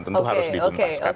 tentu harus dituntaskan